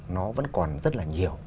nó vẫn còn rất là nhiều